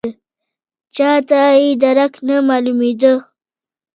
چاته یې درک نه معلومېده.